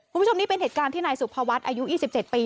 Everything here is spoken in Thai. คุณผู้ชมนี่เป็นเหตุการณ์ที่นายสุภวัฒน์อายุ๒๗ปี